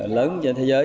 lớn trên thế giới